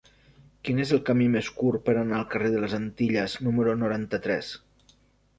Quin és el camí més curt per anar al carrer de les Antilles número noranta-tres?